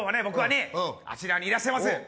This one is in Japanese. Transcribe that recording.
僕はあちらにいらっしゃいます